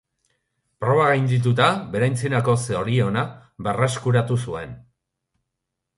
Proba gaindituta, bere antzinako zoriona berreskuratu zuen.